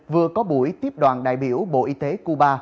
vừa có buổi tiếp đoàn đại biểu bộ y tế cuba